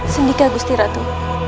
sundika gusti ratu